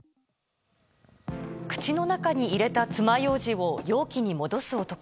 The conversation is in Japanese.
口の中に入れたつまようじを容器に戻す男。